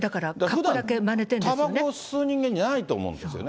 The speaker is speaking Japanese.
ふだん、たばこを吸う人間ではないと思うんですよね。